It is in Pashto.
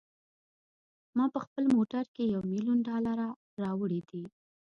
ما په خپل موټر کې یو میلیون ډالره راوړي دي.